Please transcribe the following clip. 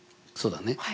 そうだね？